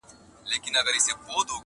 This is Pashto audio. ظالمه یاره سلامي ولاړه ومه.!